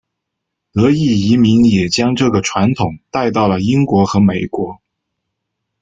德裔移民也将这个传统带到了英国和美国。